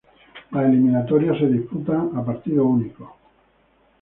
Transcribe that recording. Las eliminatorias de disputan a partido único.